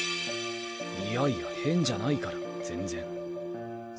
いやいや変じゃないから全然。